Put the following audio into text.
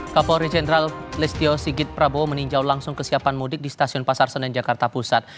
kapolri jenderal listio sigit prabowo meninjau langsung kesiapan mudik di stasiun pasar senen jakarta pusat